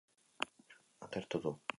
Atertu du.